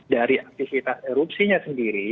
dari aktivitas erupsinya sendiri